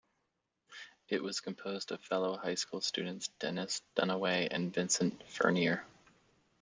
It was composed of fellow high school students Dennis Dunaway and Vincent Furnier.